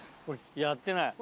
やってない。